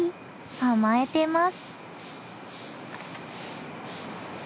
甘えてます。